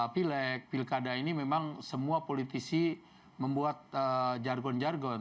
pileg pilkada ini memang semua politisi membuat jargon jargon